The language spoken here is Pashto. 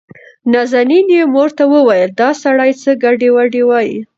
نازنين يې مور ته وويل دا سړى څه ګډې وډې وايي.